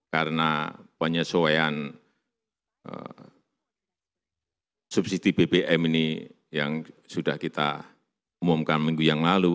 karena penyesuaian subsidi bbm ini yang sudah kita umumkan minggu yang lalu